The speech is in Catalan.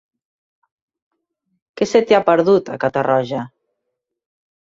Què se t'hi ha perdut, a Catarroja?